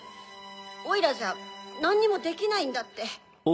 オイラじゃなんにもできないんだって。